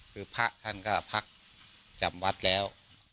คือพระท่านก็พักจำวัดแล้ว